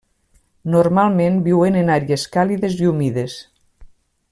Normalment viuen en àrees càlides i humides.